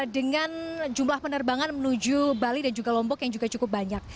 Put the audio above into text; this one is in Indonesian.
dengan jumlah penerbangan menuju bali dan juga lombok yang juga cukup banyak